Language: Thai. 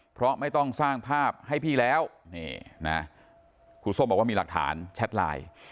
เพราะไม่ต้องสร้างภาพให้พี่แล้วนี่นะครูส้มบอกว่ามีหลักฐานแชทไลน์